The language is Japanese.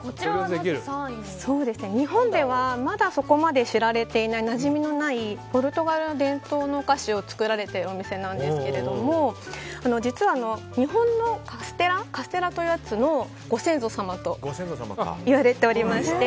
日本ではまだそこまで知られていないなじみのないポルトガルの伝統のお菓子を作られているお店なんですけれど実は、日本のカステラのご先祖様といわれておりまして。